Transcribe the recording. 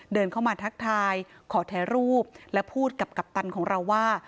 เดินเข้ามาทักทายขอถ่ายรูปและพูดกับกัปตันของเราว่า